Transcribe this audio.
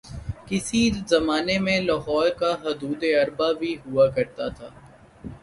کسی زمانے میں لاہور کا حدوداربعہ بھی ہوا کرتا تھا